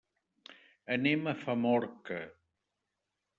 Anem a Famorca.